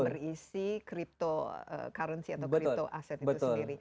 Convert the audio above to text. untuk membeli si cryptocurrency atau crypto asset itu sendiri